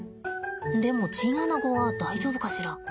でもチンアナゴは大丈夫かしら？